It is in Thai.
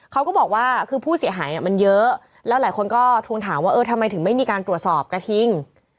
เขาก็บอกว่าคือผู้เสียหายมันเยอะแล้วหลายคนก็ทวงถามว่าเออทำไมถึงไม่มีการตรวจสอบกระทิง